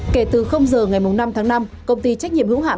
kể từ giờ ngày năm tháng năm công ty trách nhiệm hữu hạn